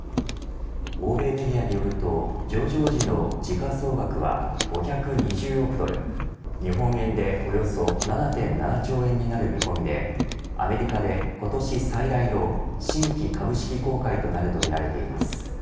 欧米メディアによると上場時の時価総額は５２０億ドル日本円でおよそ７．７兆円になる見込みでアメリカで、今年最大の新規株式公開となるとみられています。